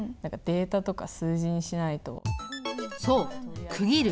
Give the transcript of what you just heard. そう区切る。